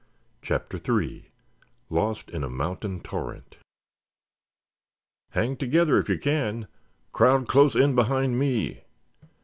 CHAPTER III LOST IN A MOUNTAIN TORRENT "Hang together if you can. Crowd close in behind me!"